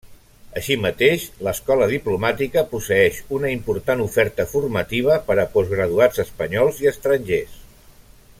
Així mateix, l'Escola Diplomàtica posseeix una important oferta formativa per a postgraduats espanyols i estrangers.